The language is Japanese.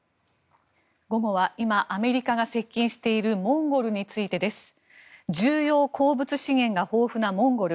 午後は今、アメリカが接近しているモンゴルについてです。重要鉱物資源が豊富なモンゴル。